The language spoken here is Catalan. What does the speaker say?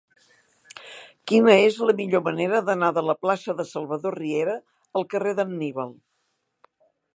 Quina és la millor manera d'anar de la plaça de Salvador Riera al carrer d'Anníbal?